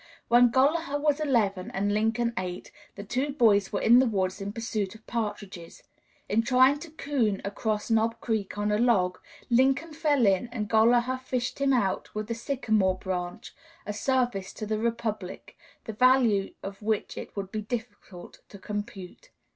When Gollaher was eleven and Lincoln eight the two boys were in the woods in pursuit of partridges; in trying to "coon" across Knob Creek on a log, Lincoln fell in and Gollaher fished him out with a sycamore branch a service to the Republic, the value of which it would be difficult to compute.